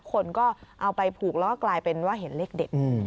คนก็เอาไปผูกแล้วก็กลายเป็นว่าเห็นเลขเด็ด